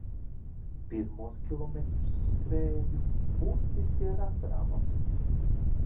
Pirmos kilometrus skrēju burtiski ar asarām acīs.